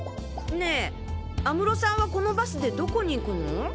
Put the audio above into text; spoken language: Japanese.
ねえ安室さんはこのバスでどこに行くの？